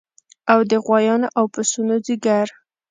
او د غوایانو او پسونو ځیګر